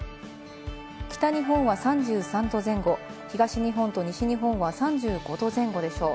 北日本は３３度前後、東日本と西日本は３５度前後でしょう。